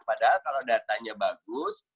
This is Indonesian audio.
padahal kalau datanya bagus